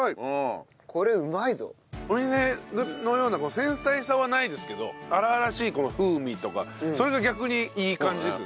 お店のような繊細さはないですけど荒々しいこの風味とかそれが逆にいい感じですよね。